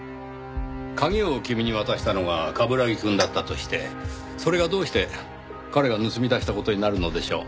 鍵を君に渡したのが冠城くんだったとしてそれがどうして彼が盗み出した事になるのでしょう？